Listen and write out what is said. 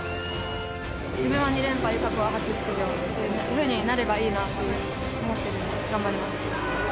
自分は２連覇で友香子は初出場というふうになればいいなと思ってるんで、頑張ります。